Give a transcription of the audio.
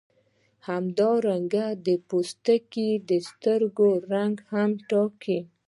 همدا رنګونه د پوستکي او سترګو رنګ هم ټاکي.